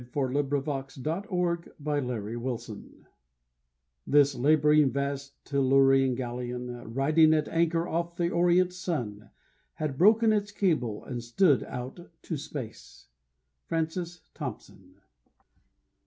The Cruise of the Galleon This laboring vast, Tellurian Galleon, Riding at anchor off the orient sun, Had broken its cable, and stood out to space. FRANCIS THOMPSON.